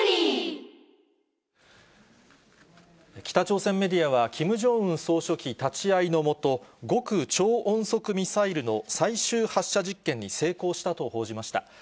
北朝鮮メディアは、キム・ジョンウン総書記立ち会いの下、極超音速ミサイルの最終発射実験に成功したと報じました。